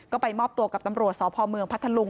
ก็ไปมอบตัวกับตำรวจสพเมืองพัทธลุง